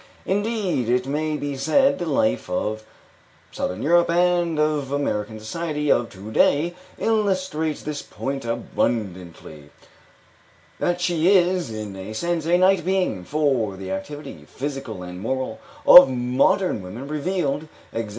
Indeed, it may be said (the life of Southern Europe and of American society of to day illustrates this point abundantly) that she is, in a sense, a night being, for the activity, physical and moral, of modern women (revealed e.g.